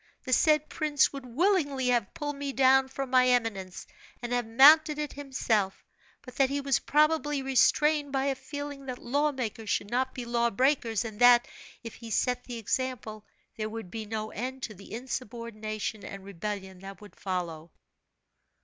The said prince would willingly have pulled me down from my eminence, and have mounted it himself; but that he was probably restrained by a feeling that law makers should not be law breakers, and that, if he set the example, there would be no end to the insubordination and rebellion that would follow."